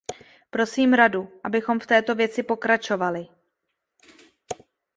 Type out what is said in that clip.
Prosím Radu, abychom v této věci pokračovali.